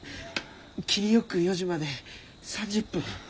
切りよく４時まで３０分。